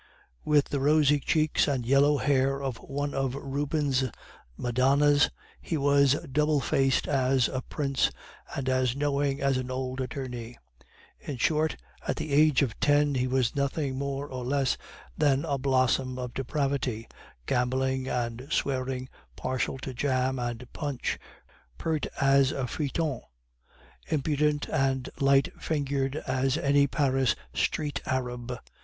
With the rosy cheeks and yellow hair of one of Rubens' Madonnas he was double faced as a prince, and as knowing as an old attorney; in short, at the age of ten he was nothing more nor less than a blossom of depravity, gambling and swearing, partial to jam and punch, pert as a feuilleton, impudent and light fingered as any Paris street arab.